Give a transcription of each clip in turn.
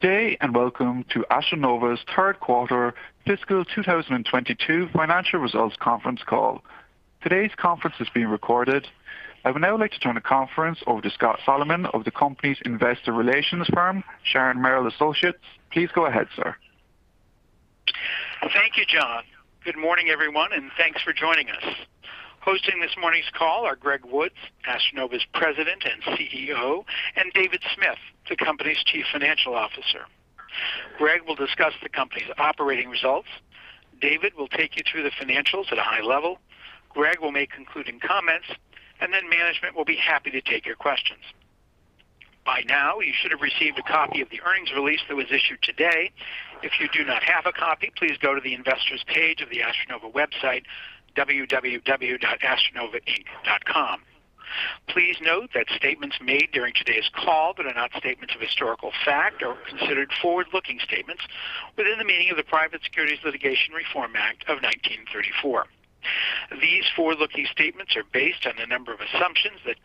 Good day, and welcome to AstroNova's third quarter fiscal 2022 financial results conference call. Today's conference is being recorded. I would now like to turn the conference over to Scott Solomon of the company's investor relations firm, Sharon Merrill Associates. Please go ahead, sir. Thank you, John. Good morning, everyone, and thanks for joining us. Hosting this morning's call are Greg Woods, AstroNova's President and CEO, and David Smith, the company's Chief Financial Officer. Greg will discuss the company's operating results. David will take you through the financials at a high level. Greg will make concluding comments, and then management will be happy to take your questions. By now, you should have received a copy of the earnings release that was issued today. If you do not have a copy, please go to the investor's page of the AstroNova website, www.astronova.com. Please note that statements made during today's call that are not statements of historical fact are considered forward-looking statements within the meaning of the Private Securities Litigation Reform Act of 1995. These forward-looking statements are based on a number of assumptions that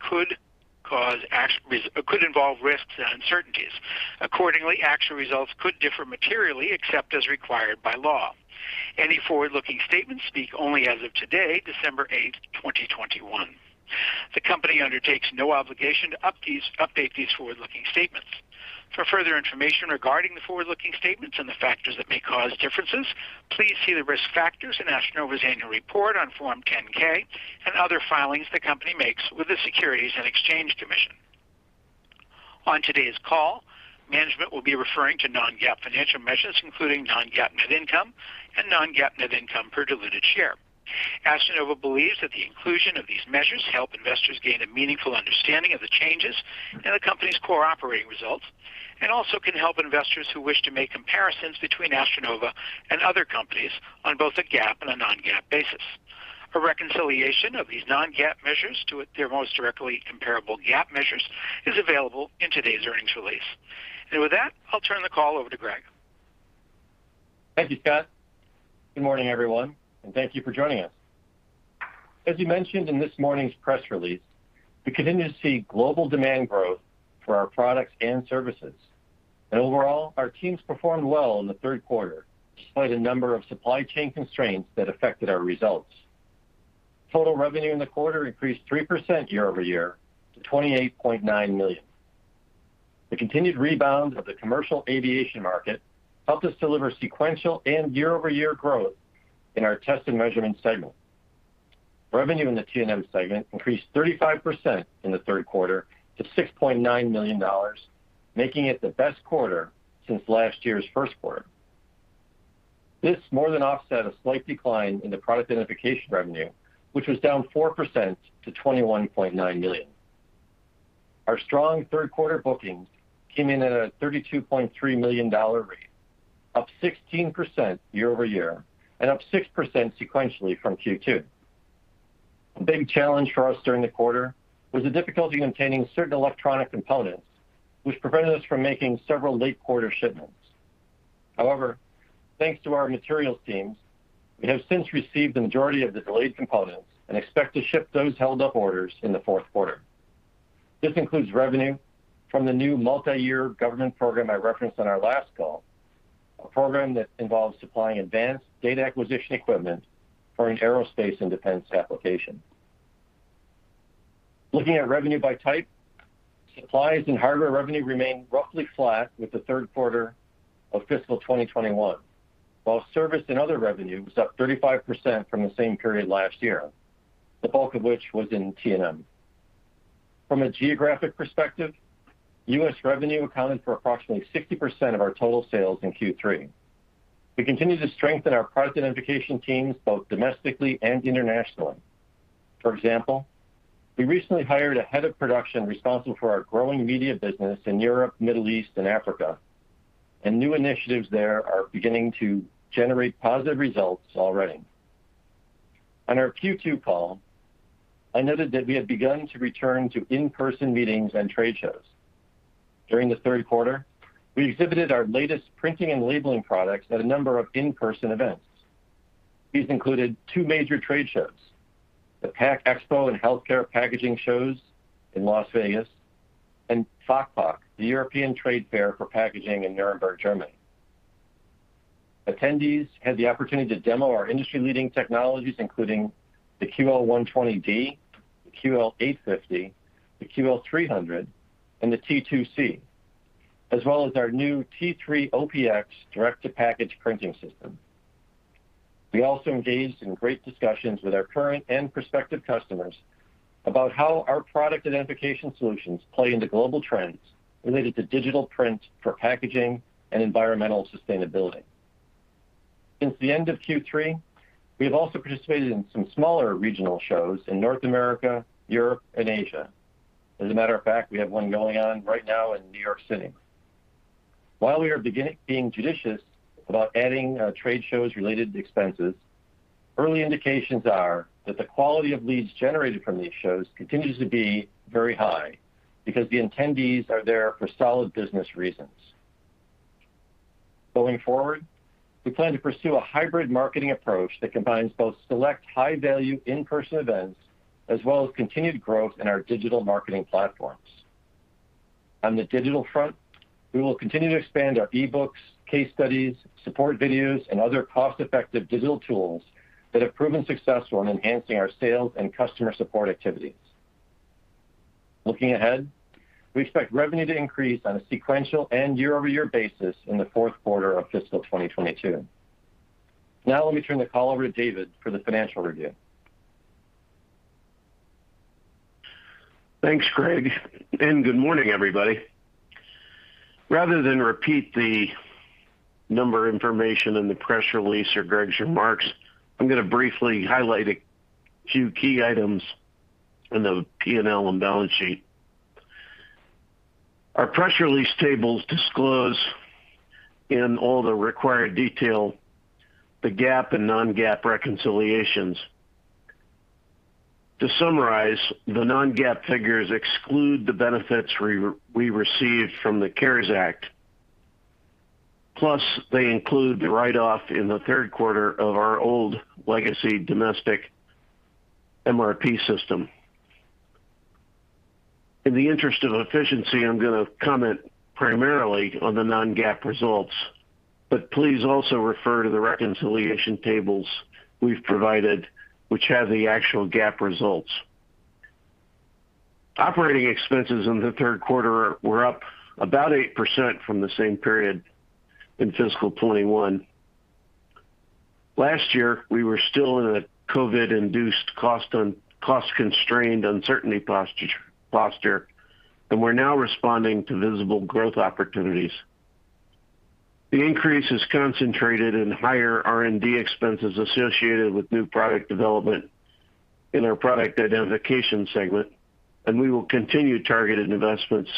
could involve risks and uncertainties. Accordingly, actual results could differ materially except as required by law. Any forward-looking statements speak only as of today, December 8, 2021. The company undertakes no obligation to update these forward-looking statements. For further information regarding the forward-looking statements and the factors that may cause differences, please see the risk factors in AstroNova's annual report on Form 10-K and other filings the company makes with the Securities and Exchange Commission. On today's call, management will be referring to non-GAAP financial measures, including non-GAAP net income and non-GAAP net income per diluted share. AstroNova believes that the inclusion of these measures help investors gain a meaningful understanding of the changes in the company's core operating results and also can help investors who wish to make comparisons between AstroNova and other companies on both a GAAP and a non-GAAP basis. A reconciliation of these non-GAAP measures to their most directly comparable GAAP measures is available in today's earnings release. With that, I'll turn the call over to Greg. Thank you, Scott. Good morning, everyone, and thank you for joining us. As you mentioned in this morning's press release, we continue to see global demand growth for our products and services. Overall, our teams performed well in the third quarter, despite a number of supply chain constraints that affected our results. Total revenue in the quarter increased 3% year-over-year to $28.9 million. The continued rebound of the commercial aviation market helped us deliver sequential and year-over-year growth in our test and measurement segment. Revenue in the T&M segment increased 35% in the third quarter to $6.9 million, making it the best quarter since last year's first quarter. This more than offset a slight decline in the product identification revenue, which was down 4% to $21.9 million. Our strong third quarter bookings came in at a $32.3 million rate, up 16% year-over-year and up 6% sequentially from Q2. A big challenge for us during the quarter was the difficulty obtaining certain electronic components, which prevented us from making several late quarter shipments. However, thanks to our materials teams, we have since received the majority of the delayed components and expect to ship those held-up orders in the fourth quarter. This includes revenue from the new multi-year government program I referenced on our last call, a program that involves supplying advanced data acquisition equipment for an aerospace and defense application. Looking at revenue by type, supplies and hardware revenue remained roughly flat with the third quarter of fiscal 2021, while service and other revenue was up 35% from the same period last year, the bulk of which was in T&M. From a geographic perspective, US revenue accounted for approximately 60% of our total sales in Q3. We continue to strengthen our product identification teams, both domestically and internationally. For example, we recently hired a head of production responsible for our growing media business in Europe, Middle East, and Africa, and new initiatives there are beginning to generate positive results already. On our Q2 call, I noted that we had begun to return to in-person meetings and trade shows. During the third quarter, we exhibited our latest printing and labeling products at a number of in-person events. These included two major trade shows, the PACK EXPO and Healthcare Packaging shows in Las Vegas and FACHPACK, the European Trade Fair for packaging in Nuremberg, Germany. Attendees had the opportunity to demo our industry-leading technologies, including the QL-120D, the QL-850, the QL-300, and the T2-C, as well as our new T3-OPX direct-to-package printing system. We also engaged in great discussions with our current and prospective customers about how our product identification solutions play into global trends related to digital print for packaging and environmental sustainability. Since the end of Q3, we have also participated in some smaller regional shows in North America, Europe, and Asia. As a matter of fact, we have one going on right now in New York City. While we are being judicious about adding trade shows related to expenses, early indications are that the quality of leads generated from these shows continues to be very high because the attendees are there for solid business reasons. Going forward, we plan to pursue a hybrid marketing approach that combines both select high-value in-person events as well as continued growth in our digital marketing platforms. On the digital front, we will continue to expand our e-books, case studies, support videos, and other cost-effective digital tools that have proven successful in enhancing our sales and customer support activities. Looking ahead, we expect revenue to increase on a sequential and year-over-year basis in the fourth quarter of fiscal 2022. Now let me turn the call over to David for the financial review. Thanks, Greg, and good morning, everybody. Rather than repeat the number information in the press release or Greg's remarks, I'm gonna briefly highlight a few key items in the P&L and balance sheet. Our press release tables disclose in all the required detail the GAAP and non-GAAP reconciliations. To summarize, the non-GAAP figures exclude the benefits we received from the CARES Act, plus they include the write-off in the third quarter of our old legacy domestic MRP system. In the interest of efficiency, I'm gonna comment primarily on the non-GAAP results, but please also refer to the reconciliation tables we've provided, which have the actual GAAP results. Operating expenses in the third quarter were up about 8% from the same period in fiscal 2021. Last year, we were still in a COVID-induced cost-constrained uncertainty posture, and we're now responding to visible growth opportunities. The increase is concentrated in higher R&D expenses associated with new product development in our Product Identification segment, and we will continue targeted investments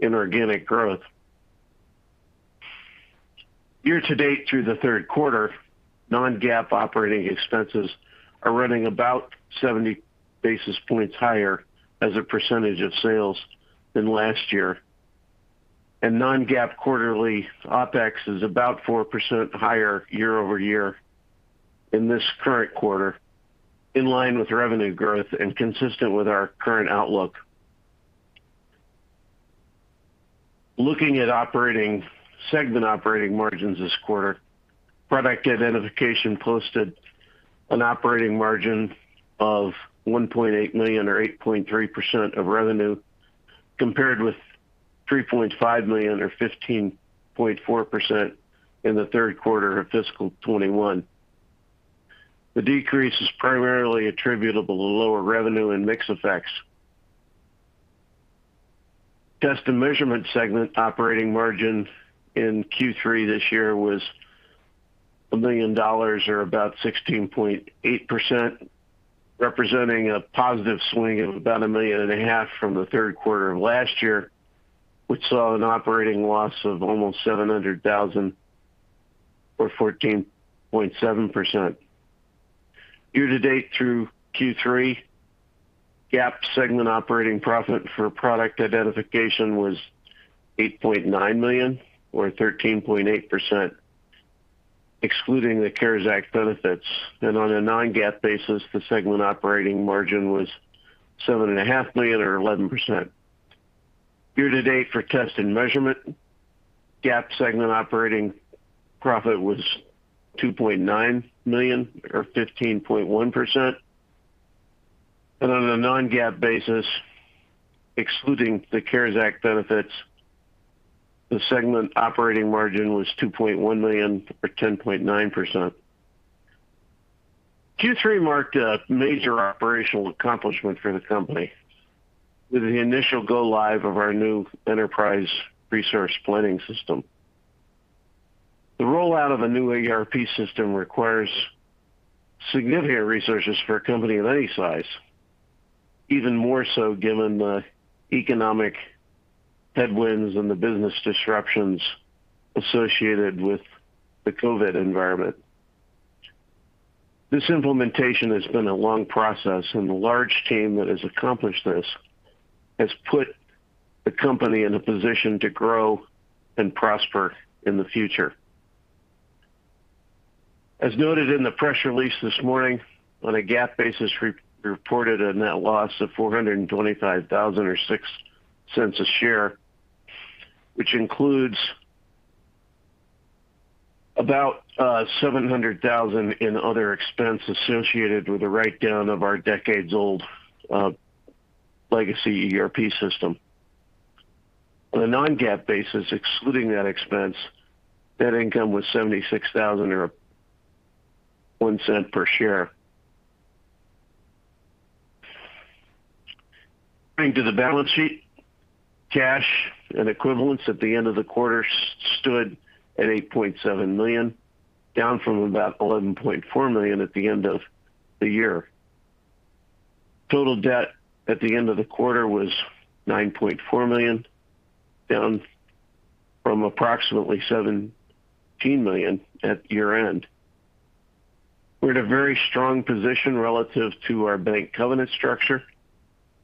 in organic growth. Year to date through the third quarter, non-GAAP operating expenses are running about 70 basis points higher as a percentage of sales than last year. non-GAAP quarterly OpEx is about 4% higher year-over-year in this current quarter, in line with revenue growth and consistent with our current outlook. Looking at segment operating margins this quarter, Product Identification posted an operating margin of $1.8 million or 8.3% of revenue, compared with $3.5 million or 15.4% in the third quarter of fiscal 2021. The decrease is primarily attributable to lower revenue and mix effects. Test and Measurement segment operating margin in Q3 this year was $1 million or about 16.8%, representing a positive swing of about $1.5 million from the third quarter of last year, which saw an operating loss of almost $700,000 or 14.7%. Year to date through Q3, GAAP segment operating profit for Product Identification was $8.9 million or 13.8%, excluding the CARES Act benefits. On a non-GAAP basis, the segment operating margin was $7.5 million or 11%. Year to date for Test and Measurement, GAAP segment operating profit was $2.9 million or 15.1%. On a non-GAAP basis, excluding the CARES Act benefits, the segment operating margin was $2.1 million or 10.9%. Q3 marked a major operational accomplishment for the company with the initial go live of our new enterprise resource planning system. The rollout of a new ERP system requires significant resources for a company of any size, even more so given the economic headwinds and the business disruptions associated with the COVID environment. This implementation has been a long process, and the large team that has accomplished this has put the company in a position to grow and prosper in the future. As noted in the press release this morning, on a GAAP basis we re-reported a net loss of $425,000 or $0.06 per share, which includes about $700,000 in other expense associated with the write-down of our decades-old legacy ERP system. On a non-GAAP basis, excluding that expense, net income was $76,000 or $0.01 per share. Turning to the balance sheet, cash and equivalents at the end of the quarter stood at $8.7 million, down from about $11.4 million at the end of the year. Total debt at the end of the quarter was $9.4 million, down from approximately $17 million at year-end. We're in a very strong position relative to our bank covenant structure,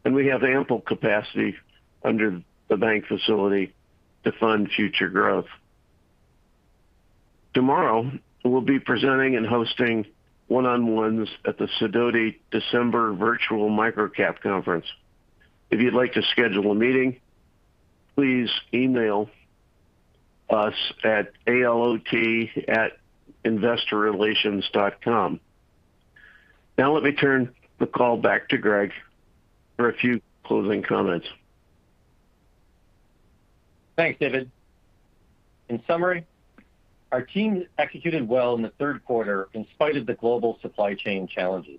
and we have ample capacity under the bank facility to fund future growth. Tomorrow, we'll be presenting and hosting one-on-ones at the Sidoti December Virtual Microcap Conference. If you'd like to schedule a meeting, please email us at ALOT@investorrelations.com. Now let me turn the call back to Greg for a few closing comments. Thanks, David. In summary, our team executed well in the third quarter in spite of the global supply chain challenges.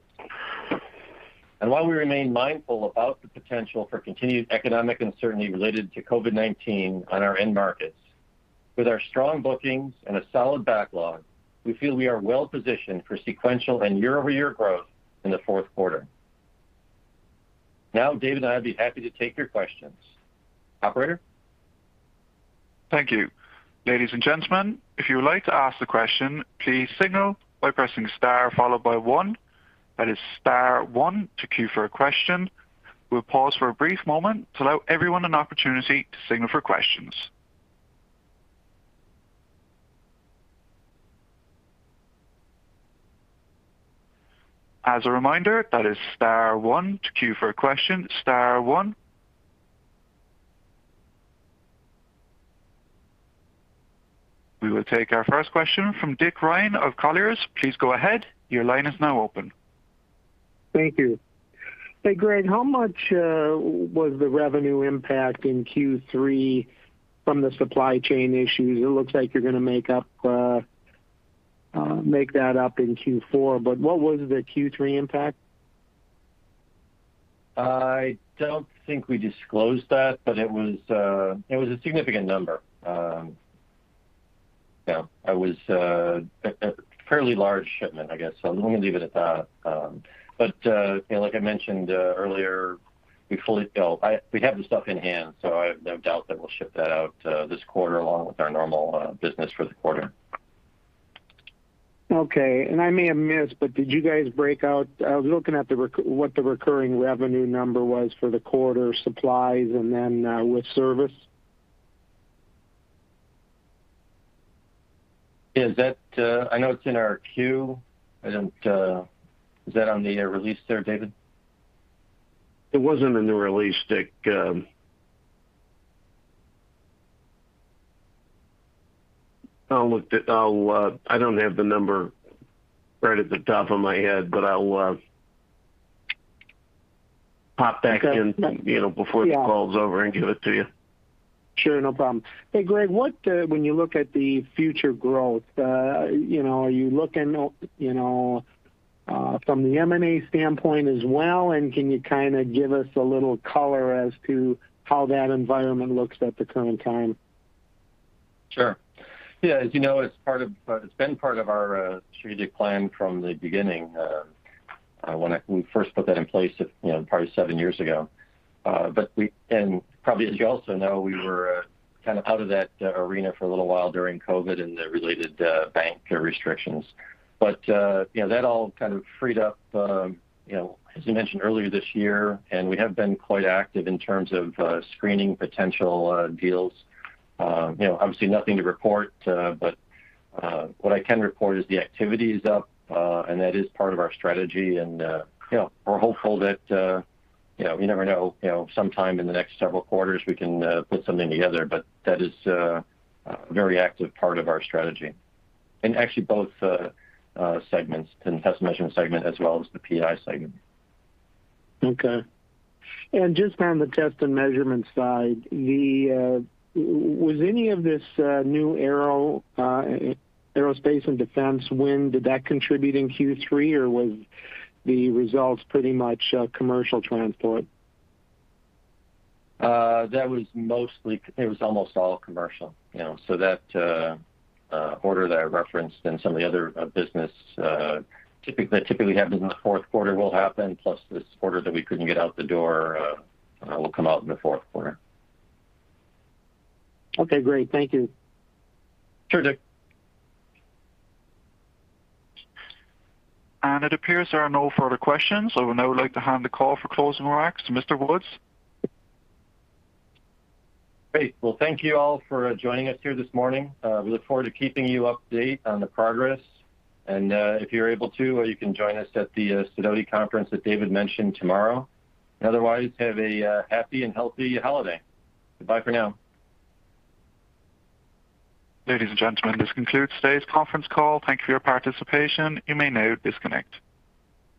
While we remain mindful about the potential for continued economic uncertainty related to COVID-19 on our end markets, with our strong bookings and a solid backlog, we feel we are well positioned for sequential and year-over-year growth in the fourth quarter. Now, David and I'd be happy to take your questions. Operator? Thank you. Ladies and gentlemen, if you would like to ask a question, please signal by pressing star followed by one. That is star one to queue for a question. We'll pause for a brief moment to allow everyone an opportunity to signal for questions. As a reminder, that is star one to queue for a question, star one. We will take our first question from Dick Ryan of Colliers. Please go ahead. Your line is now open. Thank you. Hey, Greg, how much was the revenue impact in Q3 from the supply chain issues? It looks like you're gonna make that up in Q4, but what was the Q3 impact? I don't think we disclosed that, but it was a significant number. Yeah, it was a fairly large shipment, I guess. Let me leave it at that. You know, like I mentioned earlier, we have the stuff in-hand, so I have no doubt that we'll ship that out this quarter along with our normal business for the quarter. I may have missed, but did you guys break out what the recurring revenue number was for the quarter, supplies and then with service. Is that? I know it's in our queue. I don't. Is that on the release there, David? It wasn't in the release, Dick. I don't have the number right at the top of my head, but I'll pop back in. Okay. You know, before the call's over and give it to you. Sure. No problem. Hey, Greg, when you look at the future growth, you know, are you looking, you know, from the M&A standpoint as well, and can you kinda give us a little color as to how that environment looks at the current time? Sure. Yeah. As you know, it's been part of our strategic plan from the beginning, when we first put that in place, you know, probably seven years ago. Probably as you also know, we were kind of out of that arena for a little while during COVID and the related bank restrictions. You know, that all kind of freed up, you know, as you mentioned earlier this year, and we have been quite active in terms of screening potential deals. You know, obviously nothing to report, but what I can report is the activity is up, and that is part of our strategy and, you know, we're hopeful that, you know, you never know, you know, sometime in the next several quarters, we can put something together. That is a very active part of our strategy. In actually both segments, in Test & Measurement segment as well as the PI segment. Okay. Just on the test and measurement side, was any of this new aerospace and defense win? Did that contribute in Q3, or was the results pretty much commercial transport? It was almost all commercial, you know. That order that I referenced and some of the other business that typically happens in the fourth quarter will happen, plus this order that we couldn't get out the door will come out in the fourth quarter. Okay, great. Thank you. Sure, Dick. It appears there are no further questions, so I would now like to hand the call for closing remarks to Mr. Woods. Great. Well, thank you all for joining us here this morning. We look forward to keeping you updated on the progress. If you're able to, you can join us at the Sidoti conference that David mentioned tomorrow. Otherwise, have a happy and healthy holiday. Goodbye for now. Ladies and gentlemen, this concludes today's conference call. Thank you for your participation. You may now disconnect.